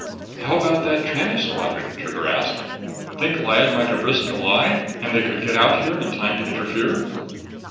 "How about that Tranest squadron?" Trigger asked. "Think Lyad might have risked a lie, and they could get out here in time to interfere?"